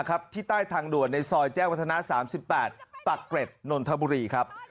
ที่ใต้ทางด่วนในซอยแจ้งวัฒนา๓๘ปักเกร็ดนนทบุรีครับ